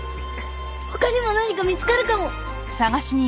他にも何か見つかるかも！